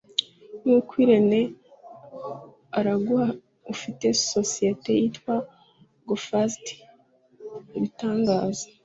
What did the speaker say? nk’uko Irenee Iraguha ufite sosiyete yitwa Go Fast abitangaza